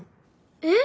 えっ？